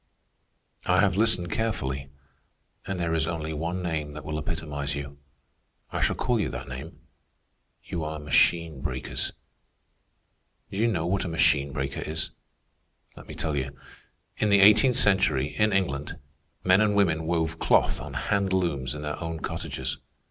"I have listened carefully, and there is only one name that will epitomize you. I shall call you that name. You are machine breakers. Do you know what a machine breaker is? Let me tell you. In the eighteenth century, in England, men and women wove cloth on hand looms in their own cottages.